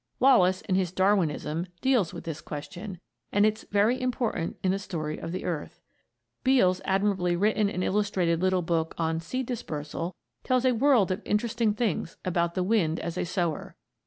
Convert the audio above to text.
Wallace, in his "Darwinism" deals with this question, and it's very important in the story of the earth. Beal's admirably written and illustrated little book on "Seed Dispersal" tells a world of interesting things about the wind as a sower.